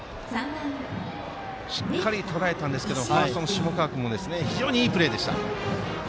しっかりとらえましたがファーストの下川君も非常にいいプレーでした。